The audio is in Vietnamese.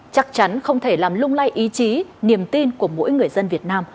chắc chắn không thể làm lung lay ý chí niềm tin của mỗi người dân việt nam